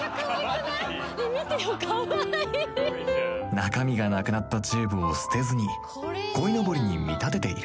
中身がなくなったチューブを捨てずにこいのぼりに見立てている